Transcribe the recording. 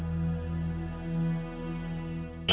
penundaan kesekian kalinya